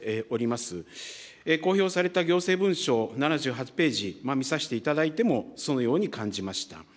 公表された行政文書７８ページ見させていただいても、そのように感じました。